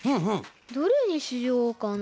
どれにしようかな。